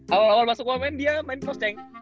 awal awal masuk gua main dia main cross tank